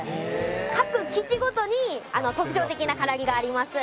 各基地ごとに特徴的な空上げがあります。